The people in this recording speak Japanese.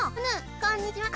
こんにちは。